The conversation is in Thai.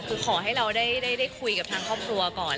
คือขอให้เราได้คุยกับทางครอบครัวก่อน